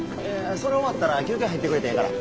それ終わったら休憩入ってくれてええから。